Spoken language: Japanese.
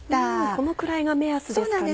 このくらいが目安ですかね。